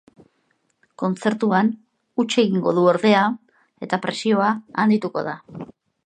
Kontzertuan huts egingo du, ordea, eta presioa handituko da.